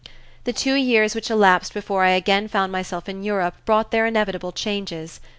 The two years which elapsed before I again found myself in Europe brought their inevitable changes.